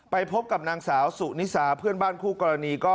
ไปพบกับนางสาวสุนิสาเพื่อนบ้านคู่กรณีก็